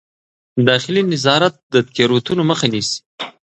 داخلي نظارت د تېروتنو مخه نیسي.